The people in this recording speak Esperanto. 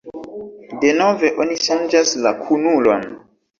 "Denove oni ŝanĝas la kunulon."